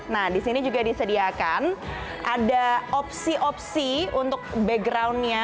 nah di sini juga disediakan ada opsi opsi untuk backgroundnya